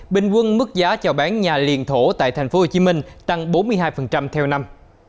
bình quân mức giá cho bán nhà liền thổ tại tp hcm tăng bốn mươi hai theo năm